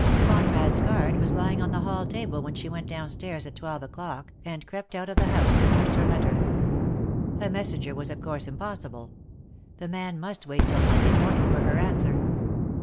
Conrad's card was lying on the hall table when she went downstairs at twelve o'clock, and crept out of the house to post her letter. A messenger was of course impossible. The man must wait till Monday morning for her answer.